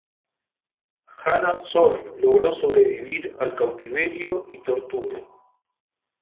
Hanna Solf logró sobrevivir al cautiverio y tortura.